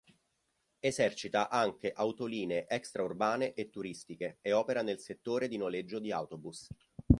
Esercita anche autolinee extraurbane e turistiche e opera nel settore del noleggio di autobus.